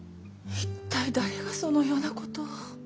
一体誰がそのようなことを？